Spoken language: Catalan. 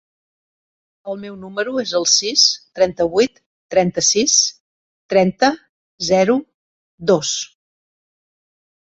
El meu número es el sis, trenta-vuit, trenta-sis, trenta, zero, dos.